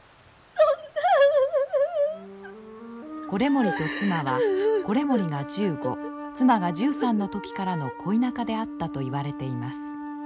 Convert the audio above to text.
維盛と妻は維盛が１５妻が１３の時からの恋仲であったといわれています。